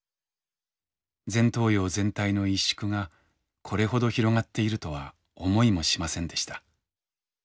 前頭葉全体の萎縮がこれほど広がっているとは思いもしませんでした。